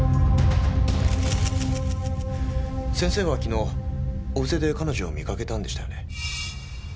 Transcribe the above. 先生は昨日小布施で彼女を見かけたんでしたよね？